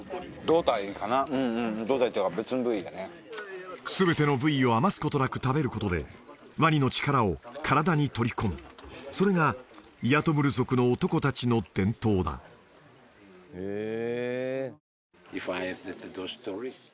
うんうんうん胴体というか別の部位だね全ての部位を余すことなく食べることでワニの力を体に取り込むそれがイアトムル族の男達の伝統だへえ